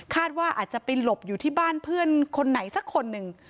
ว่าอาจจะไปหลบอยู่ที่บ้านเพื่อนคนไหนสักคนหนึ่ง